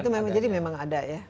itu memang jadi memang ada ya